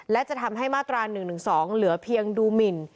และจะทำให้มาตรา๑๑๒เหลือเพียงดูหมิน